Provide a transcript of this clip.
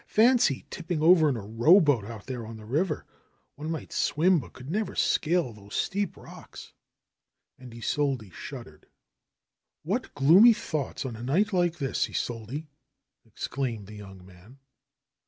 Fancy tipping over in a row boat out there on the river ! One might swim but could never scale those steep rocks." And Isolde shuddered. ^^What gloomy thoughts on a night like this, Isolde !" exclaimed the young man.